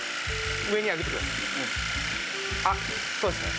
あっそうですね。